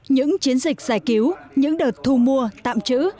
những chiến dịch giải cứu những đợt thu mua tạm trữ